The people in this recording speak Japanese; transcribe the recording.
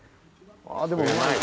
あっでもうまい。